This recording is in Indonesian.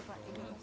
oh ya bagus dong